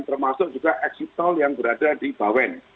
termasuk juga exit tol yang berada di bawen